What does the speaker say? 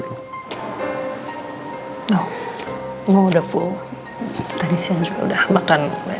tidak ada permintaan al dan andin